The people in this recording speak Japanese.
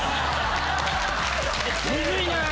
むずいな。